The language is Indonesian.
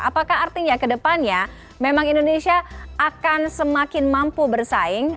apakah artinya kedepannya memang indonesia akan semakin mampu bersaing